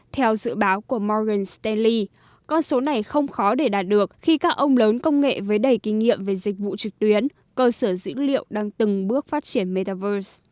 theo dự báo của morgan stanley con số này không khó để đạt được khi các ông lớn công nghệ với đầy kinh nghiệm về dịch vụ trực tuyến cơ sở dữ liệu đang từng bước phát triển metaverse